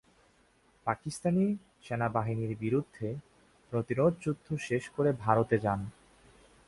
পাকিস্তানি সেনাবাহিনীর বিরুদ্ধে প্রতিরোধযুদ্ধ শেষ করে ভারতে যান।